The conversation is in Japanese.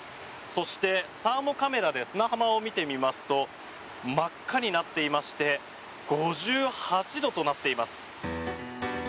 そして、サーモカメラで砂浜を見てみますと真っ赤になっていまして５８度なっています。